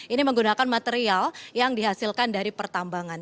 ini menggunakan material yang dihasilkan dari pertambangan